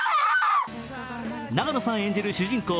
永野さん演じる主人公